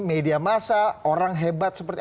media masa orang hebat seperti